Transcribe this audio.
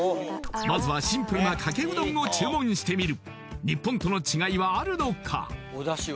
まずはシンプルなかけうどんを注文してみる日本との違いはあるのか？